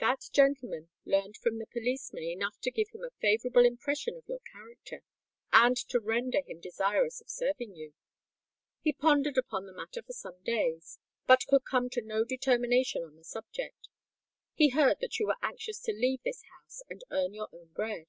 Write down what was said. "That gentleman learnt from the policeman enough to give him a favourable impression of your character, and to render him desirous of serving you. He pondered upon the matter for some days, but could come to no determination on the subject. He heard that you were anxious to leave this house and earn your own bread."